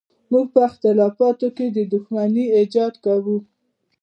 موږ په اختلافاتو کې د دښمنۍ ایجاد کوو.